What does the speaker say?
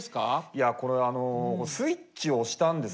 いやこれあのスイッチを押したんですけど。